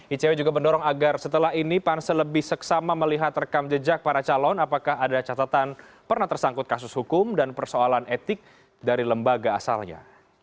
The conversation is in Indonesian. icw juga mendorong agar setelah ini pansel lebih seksama melihat rekam jejak para calon apakah ada catatan pernah tersangkut kasus hukum dan persoalan etik dari lembaga asalnya